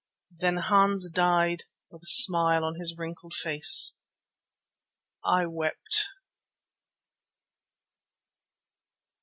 Then Hans died with a smile on his wrinkled face. I wept!